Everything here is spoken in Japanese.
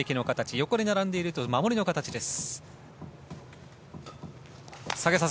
横に並んでいると守りの形です。